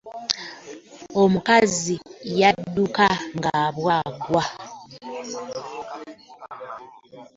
Omukazi yadduka nga bwagwa.